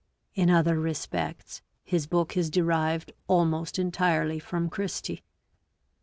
In other respects his book is derived almost entirely from Christie.